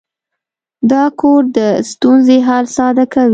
دا کوډ د ستونزې حل ساده کوي.